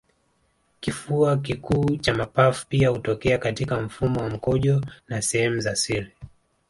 kifua kikuu cha mapafu pia hutokea katika mfumo wa mkojo na sehemu za siri